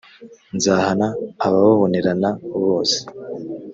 nzahana abababonerana bose